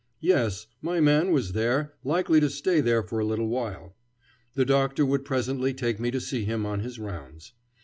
Yes; my man was there, likely to stay there for a little while. The doctor would presently take me to see him on his rounds.